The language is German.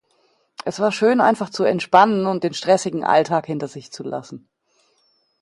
Es war schön, einfach zu entspannen und den stressigen Alltag hinter sich zu lassen.